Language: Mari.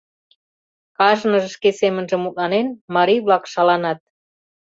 Кажныже шке семынже мутланен, марий-влак шаланат.